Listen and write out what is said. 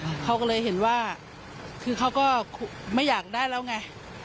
เขาก็เลยเห็นว่าคือเขาก็ไม่อยากได้แล้วไง